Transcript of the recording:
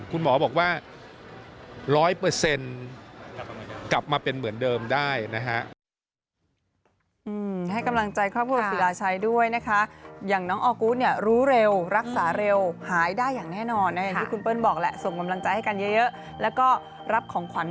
คุณหมอบอกว่า๑๐๐กลับมาเป็นเหมือนเดิมได้นะฮะ